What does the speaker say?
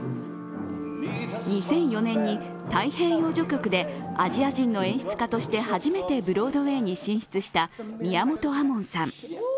２００４年に「太平洋序曲」でアジア人の演出家として初めてブロードウェイに進出した宮本亞門さん。